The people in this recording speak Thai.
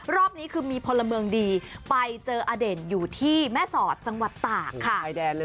รอบนี้คือมีพลเมืองดีไปเจออเด่นอยู่ที่แม่สอดจังหวัดตากค่ะ